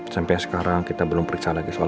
sampai sekarang kita belum periksa lagi soal